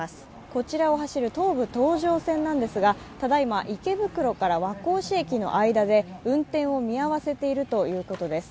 こちらを走る東武東上線なんですが池袋駅と和光市駅の間で運転を見合わせているということです。